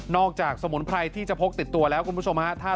จากสมุนไพรที่จะพกติดตัวแล้วคุณผู้ชมฮะ